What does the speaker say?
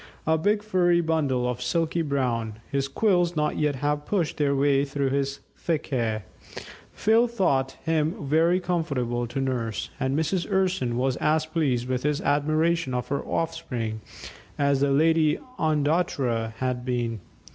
A big furry bundle of silky brown, his quills not yet having pushed their way through his thick hair, Phil thought him very comfortable to nurse, and Mrs. Urson was as pleased with his admiration of her offspring as the Lady Ondatra had been.